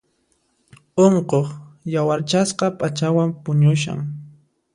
Unquq yawarchasqa p'achayuq puñushan.